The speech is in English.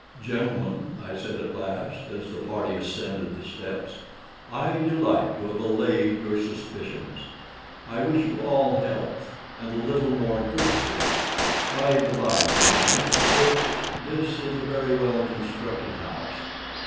"Gentlemen," I said at last, as the party ascended the steps, "I delight to have allayed your suspicions. I wish you all health, and a little more courtesy. By the bye, gentlemen, this—this is a very well constructed house."